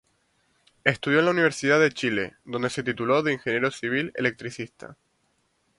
Estudió en la Universidad de Chile donde se tituló de ingeniero civil electricista.